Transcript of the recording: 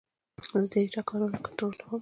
زه د ډیټا کارونه کنټرولوم.